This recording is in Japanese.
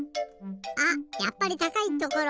あっやっぱりたかいところ！